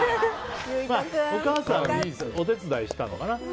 お母さんがお手伝いしたのかな。